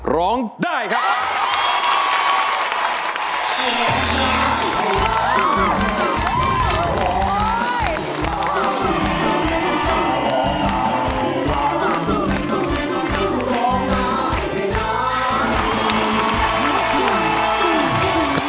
ร้องได้ครับ